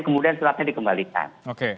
kemudian suratnya dikembalikan